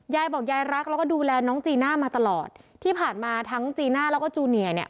ยายบอกยายรักแล้วก็ดูแลน้องจีน่ามาตลอดที่ผ่านมาทั้งจีน่าแล้วก็จูเนียเนี่ย